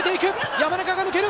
山中が抜ける。